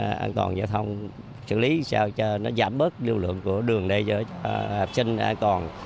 đồng ý ban an toàn giao thông xử lý sao cho nó giảm bớt lưu lượng của đường này cho học sinh an toàn